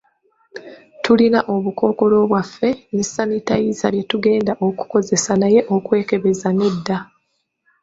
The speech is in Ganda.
Tulina obukookolo bwaffe, ne sanitayiza bye tugenda okukozesa naye okwekebezeza nedda.